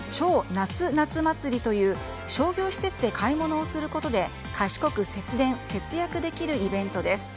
ナツ夏祭りという商業施設で買い物をすることで賢く節電・節約できるイベントです。